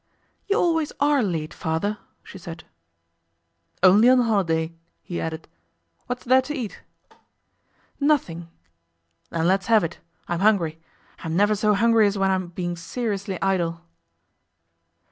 'You always are late, father,' she said. 'Only on a holiday,' he added. 'What is there to eat?' 'Nothing.' 'Then let's have it. I'm hungry. I'm never so hungry as when I'm being seriously idle.